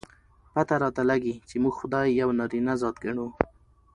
پته راته لګي، چې موږ خداى يو نارينه ذات ګڼو.